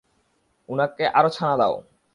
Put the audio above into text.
উনাকে আরো ছানা দাও।